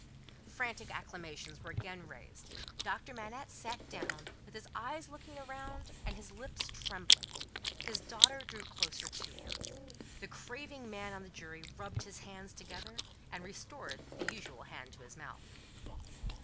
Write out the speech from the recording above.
Frantic acclamations were again raised. Doctor Manette sat down, with his eyes looking around, and his lips trembling; his daughter drew closer to him. The craving man on the jury rubbed his hands together, and restored the usual hand to his mouth.